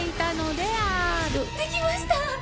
できました！